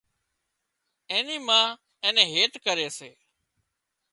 اين ما اين نين هيت ڪري سي